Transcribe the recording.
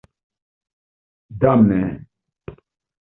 Damne!